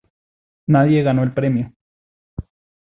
Nadie ganó el premio.